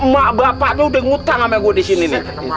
mak bapaknya udah ngutang sama gue di sini nih